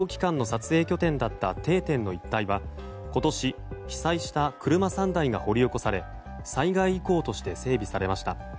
報道機関の撮影拠点だった定点の一帯は今年、被災した車３台が掘り起こされ災害遺構として整備されました。